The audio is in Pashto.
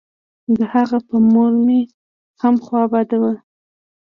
د هغه په مور مې هم خوا بده وه.